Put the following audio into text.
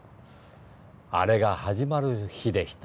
あれが始まる日でした。